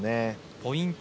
ポイント